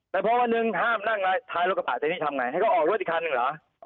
แต่พอวันหนึ่งห้ามนั่งท้ายรถกระบะตัวนี้ทำไงให้เขาออกรถอีกคันหนึ่งเหรอ